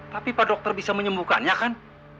tapi pak dokter bisa menyembuhkannya kan